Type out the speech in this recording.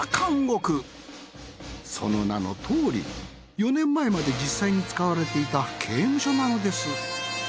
その名のとおり４年前まで実際に使われていた刑務所なのです。